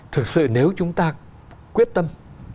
thực sự nếu chúng ta quyết tâm